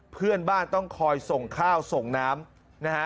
เพื่อนบ้านต้องคอยส่งข้าวส่งน้ำนะฮะ